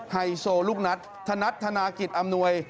ไฮโซลูกนัดธนัดธนากิจอำนวย